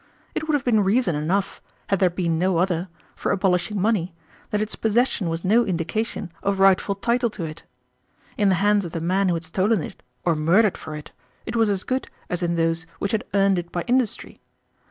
It would have been reason enough, had there been no other, for abolishing money, that its possession was no indication of rightful title to it. In the hands of the man who had stolen it or murdered for it, it was as good as in those which had earned it by industry.